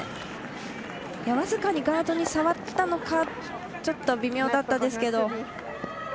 僅かにガードに触ったのかちょっと微妙だったですけど。